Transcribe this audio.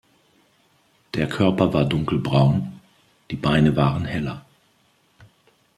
Der Körper war dunkelbraun, die Beine waren heller.